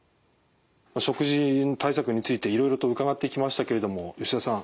食事対策についていろいろと伺ってきましたけれども吉田さん